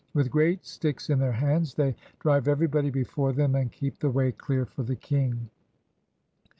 With great sticks in their hands they drive everybody before them, and keep the way clear for the king.